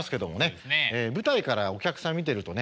舞台からお客さん見てるとね